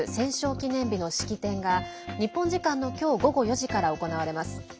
記念日の式典が日本時間の今日午後４時から行われます。